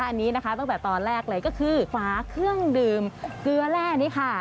อันนี้นะคะตั้งแต่ตอนแรกเลยก็คือฝาเครื่องดื่มเกลือแร่นี่ค่ะ